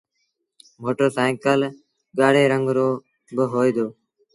موٽر سآئيٚڪل ڳآڙي رنگ رو با هوئي دو۔